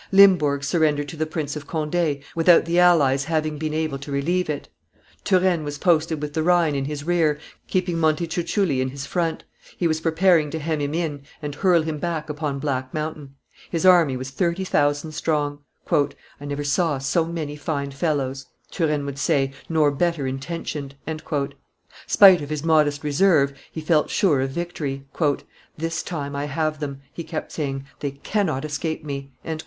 Limburg surrendered to the Prince of Conde, without the allies having been able to relieve it; Turenne was posted with the Rhine in his rear, keeping Montecuculli in his front; he was preparing to hem him in, and hurl him back upon Black Mountain. His army was thirty thousand strong. "I never saw so many fine fellows," Turenne would say, "nor better intentioned." Spite of his modest reserve, he felt sure of victory. "This time I have them," he kept saying; "they cannot escape me."